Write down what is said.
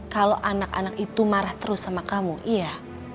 kalau anak anak itu marah terus sama kamu iya